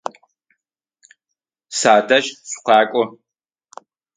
Садэжь шъукъакӏу!